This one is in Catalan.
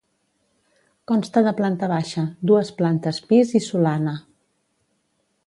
Consta de planta baixa, dues plantes pis i solana.